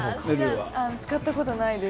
使ったことないです。